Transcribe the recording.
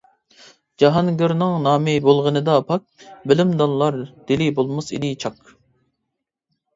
جاھانگىرنىڭ نامى بولغىنىدا پاك، بىلىمدانلار دىلى بولماس ئىدى چاك.